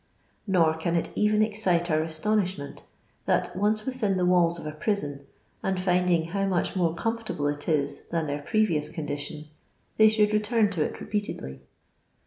Nor can it even excite our astonishment that, once within the walls of a prison, and finding how much more comfort able it is than their previous condition, they should return to it repeatedly.